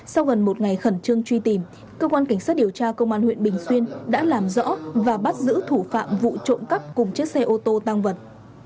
sau gần một ngày khẩn trương truy tìm cơ quan cảnh sát điều tra công an huyện bình xuyên đã làm rõ và bắt giữ thủ phạm vụ trộm cắp cùng chiếc xe ô tô tăng vật